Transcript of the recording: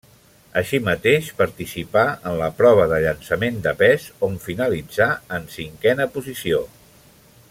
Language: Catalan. Així mateix participà en la prova de llançament de pes, on finalitzà en cinquena posició.